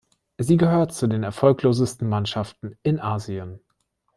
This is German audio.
Sie gehört zu den erfolglosesten Mannschaften in Asien.